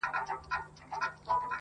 مېلمانه یې د مرګي لوی ډاکټران کړل؛